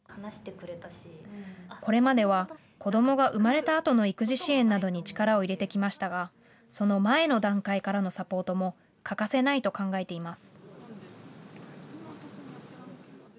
これまでは子どもが生まれたあとの育児支援などに力を入れてきましたがその前の段階からのサポートも欠かせないと考えています。